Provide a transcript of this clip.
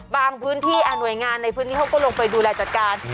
พื้นที่หน่วยงานในพื้นที่เขาก็ลงไปดูแลจัดการ